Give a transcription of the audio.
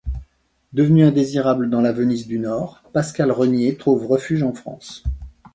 Devenu indésirable dans la Venise du nord, Pascal Renier trouve refuge en France.